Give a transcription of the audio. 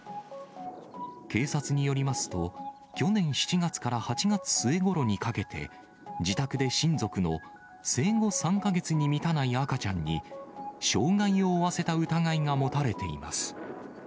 警察によりますと、去年７月から８月末ごろにかけて、自宅で親族の生後３か月に満たない赤ちゃんに、傷害を負わせた疑いが持たれています。